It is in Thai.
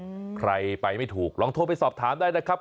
ใครไปไม่ถูกลองโทรไปสอบถามได้นะครับ